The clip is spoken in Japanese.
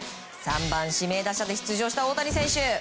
３番指名打者で出場した大谷選手。